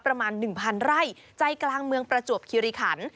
ประมาณ๑๐๐ไร่ใจกลางเมืองประจวบคิริขัน